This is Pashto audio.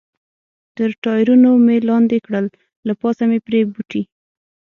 تر ټایرونو مې لاندې کړل، له پاسه مې پرې بوټي.